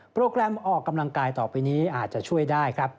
โปรแกรมออกกำลังกายต่อไปนี้อาจจะช่วยได้ครับ